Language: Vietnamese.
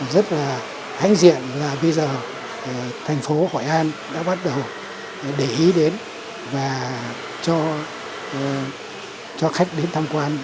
rất là hãnh diện là bây giờ thành phố hội an đã bắt đầu để ý đến và cho khách